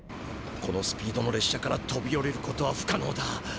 このスピードの列車からとびおりることはふかのうだ！